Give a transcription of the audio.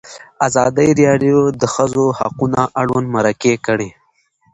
ازادي راډیو د د ښځو حقونه اړوند مرکې کړي.